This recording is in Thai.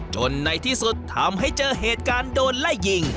ในที่สุดทำให้เจอเหตุการณ์โดนไล่ยิง